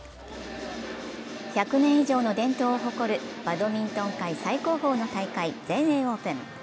１００年以上の伝統を誇るバドミントン界最高峰の大会、全英オープン。